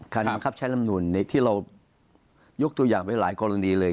การล้ำคับแล้วใช้ลำดูนที่เรายกตัวอย่างไปหลายกรณีเลย